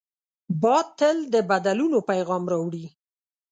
باد تل د بدلونو پیغام راوړي